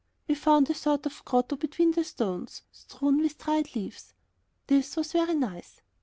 We found a sort of grotto between the stones, strewn with dried leaves. This was very nice.